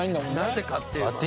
なぜかっていうまあ。